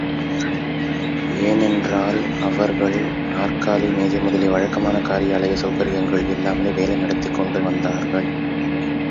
ஏனென்றால், அவர்கள் நாற்காலி, மேஜை முதலிய வழக்கமான காரியாலய செளகரியங்கள் இல்லாமலே வேலை நடத்திக் கொண்டு வந்தார்கள்.